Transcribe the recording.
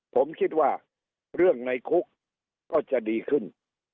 ผมคิดว่าเรื่องในคุกก็จะดีขึ้น